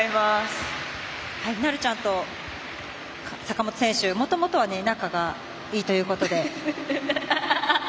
なるちゃんと坂本選手もともとは仲がいいということで。